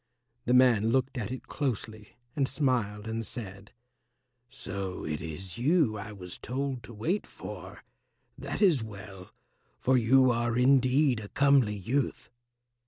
The man looked at it closely and smiled and said, "So it is you I was told to wait for. That is well, for you are indeed a comely youth."